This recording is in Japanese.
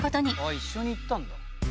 「一緒に行ったんだ」